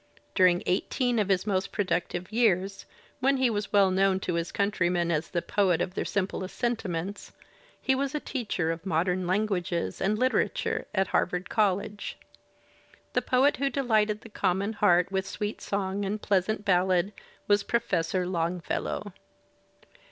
During eighteen of his most productive years, when he was well known to his countrymen as th^ poet of their simplest sentiments, he was a teacher of modem languages and literature at Harvard College. The poet who delighted the common heart with sweet song and pleasant ballad was Professor Longfellow.